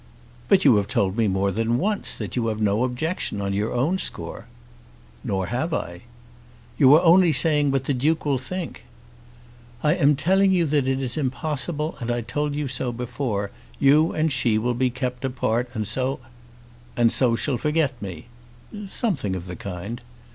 "But you have told me more than once that you have no objection on your own score." "Nor have I." "You are only saying what the Duke will think." "I am telling you that it is impossible, and I told you so before. You and she will be kept apart, and so " "And so she'll forget me." "Something of that kind."